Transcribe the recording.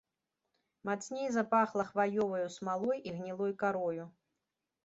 Мацней запахла хваёваю смалой і гнілой карою.